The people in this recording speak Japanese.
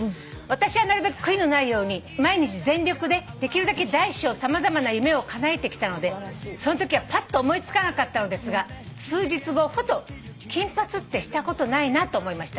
「私はなるべく悔いのないように毎日全力でできるだけ大小様々な夢をかなえてきたのでそのときはパッと思い付かなかったのですが数日後ふと金髪ってしたことないなと思いました」